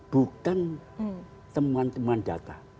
bukan temuan temuan data